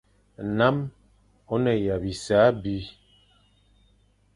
Nnam o ne ya bisa abi.